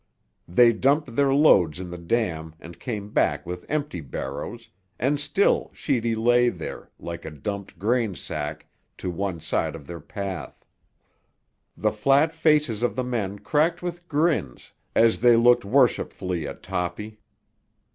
They dumped their loads in the dam and came back with empty barrows, and still Sheedy lay there, like a dumped grain sack, to one side of their path. The flat faces of the men cracked with grins as they looked worshipfully at Toppy.